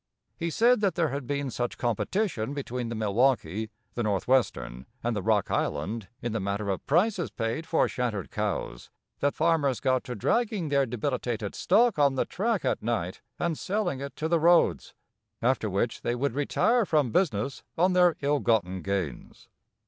He said that there had been such competition between the Milwaukee, the Northwestern and the Rock Island in the matter of prices paid for shattered cows, that farmers got to dragging their debilitated stock on the track at night and selling it to the roads, after which they would retire from business on their ill gotten gains.